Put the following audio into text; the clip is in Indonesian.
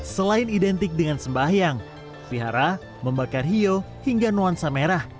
selain identik dengan sembahyang vihara membakar hiyo hingga nuansa merah